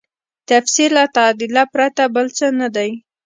تفسیر له تعدیله پرته بل څه نه دی.